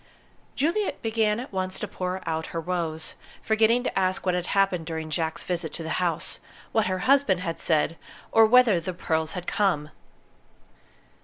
Juliet began at once to pour out her woes, forgetting to ask what had happened during Jack's visit to the house what her husband had said, or whether the pearls had come.